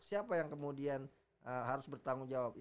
siapa yang kemudian harus bertanggung jawab